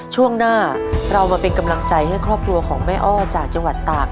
ช่วงหน้าเรามาเป็นกำลังใจให้ครอบครัวของแม่อ้อจากจังหวัดตาก